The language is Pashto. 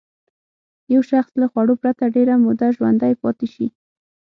یو شخص له خوړو پرته ډېره موده ژوندی پاتې شي.